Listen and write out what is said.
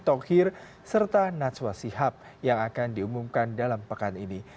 erick thokir serta natswasi hab yang akan diumumkan dalam pekan ini